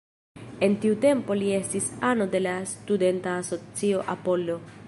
En tiu tempo li estis ano de la studenta asocio "Apollo".